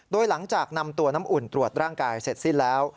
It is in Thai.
โดยหลังจากนำตัวน้ำอุ่นตรวจร่างกายเสร็จสิ้นแล้ว